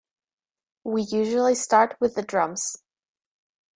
We usually start with the drums.